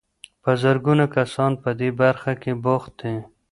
په زرګونه کسان په دې برخه کې بوخت دي.